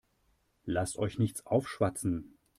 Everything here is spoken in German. Lasst euch nichts aufschwatzen.